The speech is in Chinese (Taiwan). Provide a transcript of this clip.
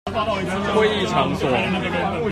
會議場所